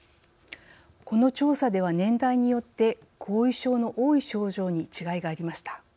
この調査では、年代によって後遺症の多い症状に違いがあります。